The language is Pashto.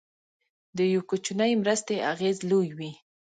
د یو کوچنۍ مرستې اغېز لوی وي.